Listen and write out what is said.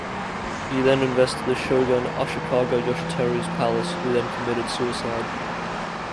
He then invested the shogun Ashikaga Yoshiteru's palace, who then committed suicide.